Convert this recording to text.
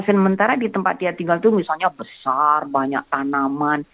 sementara di tempat dia tinggal itu misalnya besar banyak tanaman